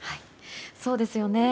そうですよね。